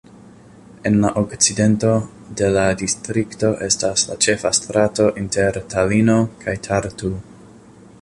En la okcidento de la distrikto estas la ĉefa strato inter Talino kaj Tartu.